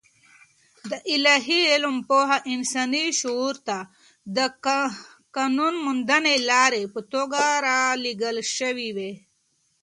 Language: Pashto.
د الاهي علم پوهه انساني شعور ته د قانونمندې لارې په توګه رالېږل شوې.